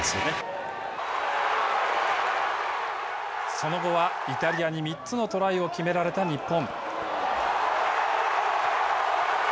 その後は、イタリアに３つのトライを決められた日本。